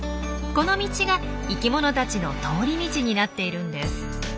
この道が生きものたちの通り道になっているんです。